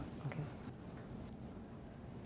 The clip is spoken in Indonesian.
tapi ada juga